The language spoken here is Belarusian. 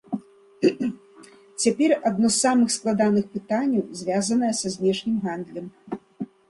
Цяпер адно з самых складаных пытанняў звязанае са знешнім гандлем.